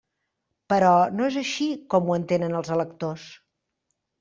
Però no és així com ho entenen els electors.